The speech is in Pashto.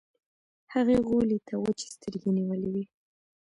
هغې غولي ته وچې سترګې نيولې وې.